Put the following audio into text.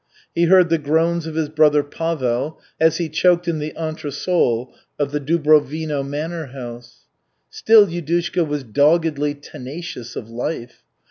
He heard the groans of his brother Pavel, as he choked in the entresol of the Dubrovino manor house. Still Yudushka was doggedly tenacious of life.